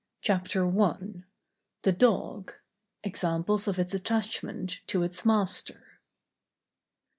CHAPTER I. THE DOG; EXAMPLES OF ITS ATTACHMENT TO ITS MASTER.